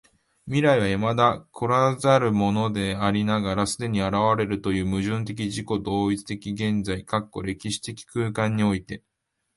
未来は未だ来らざるものでありながら既に現れているという矛盾的自己同一的現在（歴史的空間）において、